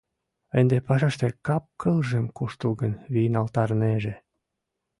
Ынде пашаште кап-кылжым куштылгын вийналтарынеже.